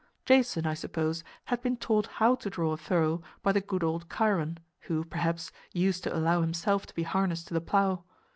Jason, I suppose, had been taught how to draw a furrow by the good old Chiron, who, perhaps, used to allow himself to be harnessed to the plow.